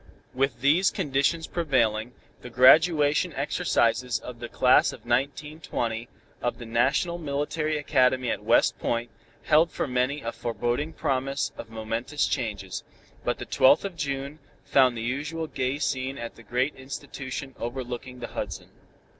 With these conditions prevailing, the graduation exercises of the class of 1920 of the National Military Academy at West Point, held for many a foreboding promise of momentous changes, but the 12th of June found the usual gay scene at the great institution overlooking the Hudson.